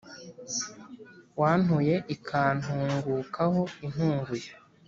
Wantuye ikantungukaho intunguye